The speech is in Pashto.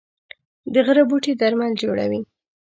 د غره بوټي درمل جوړوي